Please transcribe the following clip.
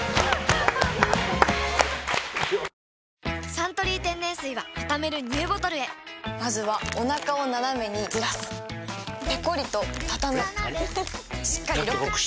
「サントリー天然水」はたためるＮＥＷボトルへまずはおなかをナナメにずらすペコリ！とたたむしっかりロック！